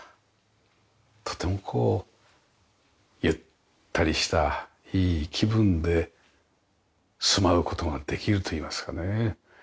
とてもこうゆったりしたいい気分で住まう事ができるといいますかね。